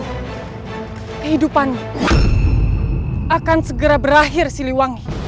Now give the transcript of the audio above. semoga kehidupanmu akan segera berakhir siliwangi